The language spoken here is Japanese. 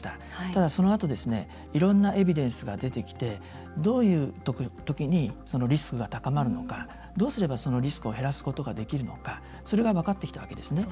ただ、そのあといろんなエビデンスが出てきてどういう時にリスクが高まるのか、どうすればそのリスクを減らすことができるのかそれが分かってきたわけですね。